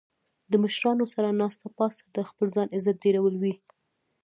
د مشرانو سره ناسته پاسته د خپل ځان عزت ډیرول وي